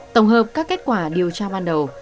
tổng hợp các kết quả điều tra ban đầu